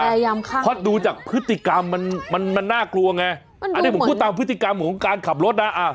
เพราะดูจากพฤติกรรมมันมันน่ากลัวไงอันนี้ผมพูดตามพฤติกรรมของการขับรถนะอ่ะ